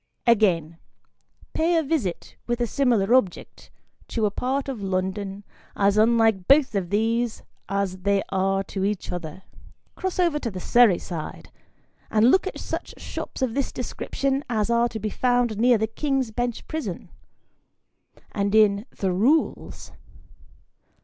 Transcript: Again : pay a visit with a similar object, to a part of London, as unlike both of these as they are to each other. Cross over to the Surrey side, and look at such shops of this description as are to be found near the King's Bench Prison, and in " the Rules."